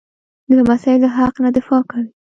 لمسی له حق نه دفاع کوي.